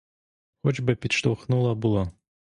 Хоч би підштовхнула була!